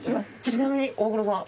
ちなみに大黒さん。